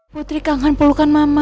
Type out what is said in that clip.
putri kangen pelukan mama